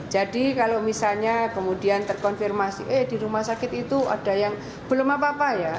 jadi kalau misalnya kemudian terkonfirmasi eh di rumah sakit itu ada yang belum apa apa ya